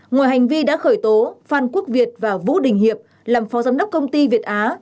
ngoài hành vi đã khởi tố phan quốc việt và vũ đình hiệp làm phó giám đốc công ty việt á